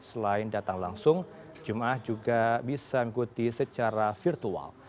selain datang langsung jemaah juga bisa mengikuti secara virtual